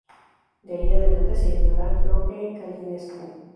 De ahí adelante se llamará Gheorghe Călinescu.